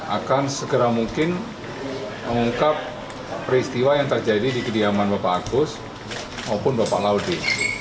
akan segera mungkin mengungkap peristiwa yang terjadi di kediaman bapak agus maupun bapak laude